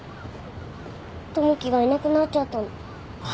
友樹がいなくなっちゃったの。